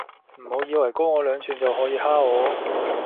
唔好以為高我兩吋就可以蝦我